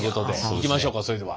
いきましょうかそれでは。